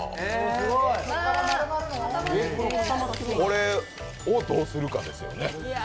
これをどうするかですよね。